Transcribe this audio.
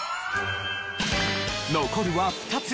残るは２つ。